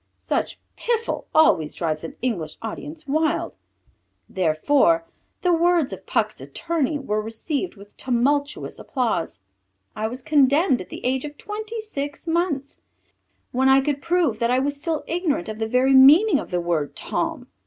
Such piffle always drives an English audience wild. Therefore the words of Puck's attorney were received with tumultuous applause. I was condemned at the age of twenty six months, when I could prove that I still was ignorant of the very meaning of the word, Tom.